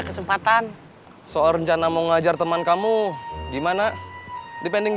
kita berangkat sekarang